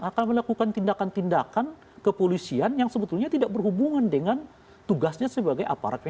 akan melakukan tindakan tindakan kepolisian yang sebetulnya tidak berhubungan dengan tugasnya sebagai aparat tni